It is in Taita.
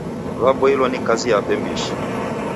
Waboilo ni kazi yape mbishi.